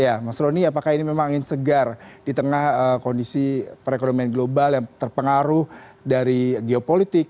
ya mas roni apakah ini memang angin segar di tengah kondisi perekonomian global yang terpengaruh dari geopolitik